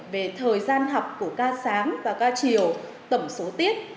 về thời gian học của ca sáng và ca chiều tổng số tiết